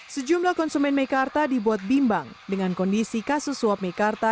sejumlah konsumen meikarta dibuat bimbang dengan kondisi kasus suap mekarta